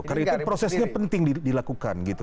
karena itu prosesnya penting dilakukan gitu